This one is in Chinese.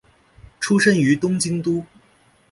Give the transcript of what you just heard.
出身于东京都。